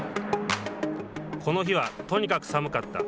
この日は、とにかく寒かった。